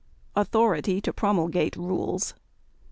_Authority to Promulgate Rules.